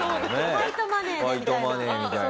ファイトマネーみたいな。